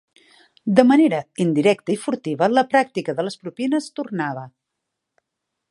De manera indirecta i furtiva la pràctica de les propines tornava